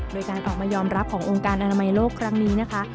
โดยการออกมายอมรับขององค์การอนามัยโลกครั้งนี้นะคะ